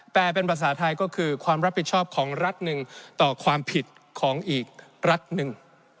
เป็นภาษาไทยก็คือความรับผิดชอบของรัฐหนึ่งต่อความผิดของอีกรัฐหนึ่ง